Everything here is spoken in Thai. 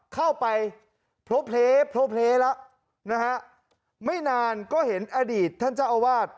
เข้าไปโพลเพลโพลเพลแล้วนะฮะไม่นานก็เห็นอดีตท่านเจ้าอาวาส